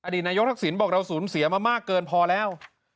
นายกทักษิณบอกเราสูญเสียมามากเกินพอแล้ว